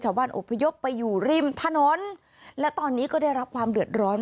อบพยพไปอยู่ริมถนนและตอนนี้ก็ได้รับความเดือดร้อน